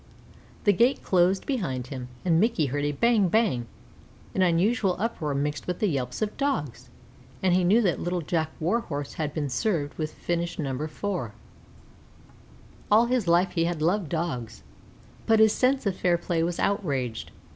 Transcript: The gate closed behind him, and Mickey heard a bang bang, an unusual uproar mixed with yelps of Dogs, and he knew that Little Jack Warhorse had been served with finish No. 4. All his life he had loved Dogs, but his sense of fair play was outraged.